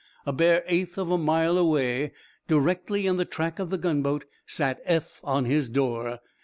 A bare eighth of a mile away, directly in the track of the gunboat, sat Eph on his door.